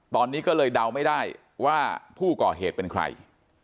ตอนนี้ก็เลยเดาไม่ได้ว่าผู้ก่อเหตุเป็นใคร